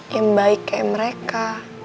yang baik kayak mereka